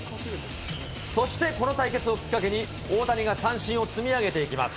そして、この対決をきっかけに大谷が三振を積み上げていきます。